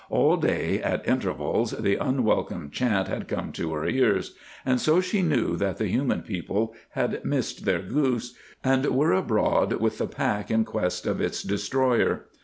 All day, at intervals, the unwelcome chant had come to her ears, and so she knew that the human people had missed their goose, and were abroad with the pack in quest of its destroyer.